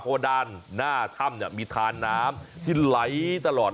เพราะว่าด้านหน้าถ้ำมีทานน้ำที่ไหลตลอด